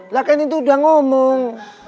lah kan itu udah ngomong